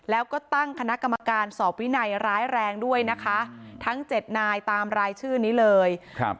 แล้วก็ตั้งคณะกรรมการสอบวินัยร้ายแรงด้วยนะคะทั้งเจ็ดนายตามรายชื่อนี้เลยครับ